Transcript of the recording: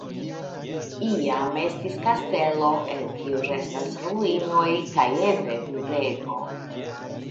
Iam estis kastelo (el kiu restas ruinoj) kaj eble murego.